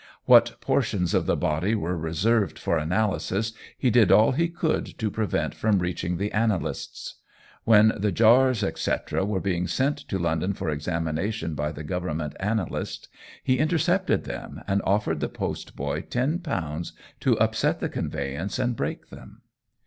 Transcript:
What portions of the body were reserved for analysis, he did all he could to prevent from reaching the analysts. When the jars, etc. were being sent to London for examination by the Government analyst, he intercepted them, and offered the post boy £10 to upset the conveyance and break them.